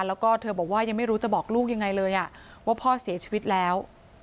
แล้วก็เธอบอกว่ายังไม่รู้จะบอกลูกยังไงเลยว่าพ่อเสียชีวิตแล้ว